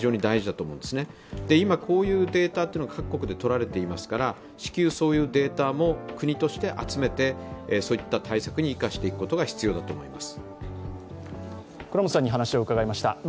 今、こういうデータを各国で取られていますから、至急、そういうデータも国として集めてそういった対策に生かしていくことが必要だと思います。